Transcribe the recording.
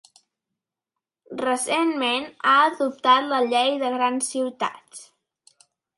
Recentment ha adoptat la Llei de Grans Ciutats.